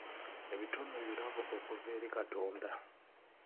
Ebitone birabo okuva eri Katonda.